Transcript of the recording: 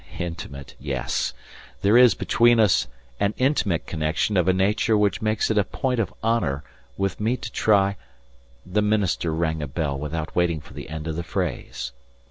"Intimate... yes. There is between us an intimate connection of a nature which makes it a point of honour with me to try..." The minister rang a bell without waiting for the end of the phrase.